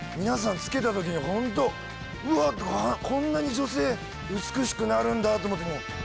皆さん着けた時にホントうわこんなに女性美しくなるんだと思って。